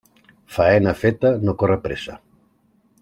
Faena feta no corre pressa.